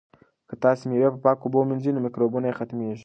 که تاسي مېوې په پاکو اوبو ومینځئ نو مکروبونه یې ختمیږي.